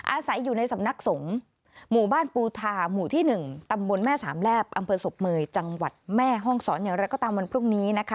อาศัยอยู่ในสำนักสงฆ์หมู่บ้านปูทาหมู่ที่๑ตำบลแม่สามแลบอำเภอศพเมยจังหวัดแม่ห้องศรอย่างไรก็ตามวันพรุ่งนี้นะคะ